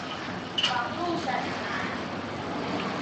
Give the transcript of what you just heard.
網路審查